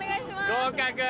合格。